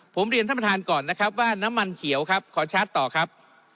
ผมเรียนท่านประธานก่อนนะครับว่าน้ำมันเขียวครับขอชาร์จต่อครับ